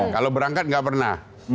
kalau berangkat nggak pernah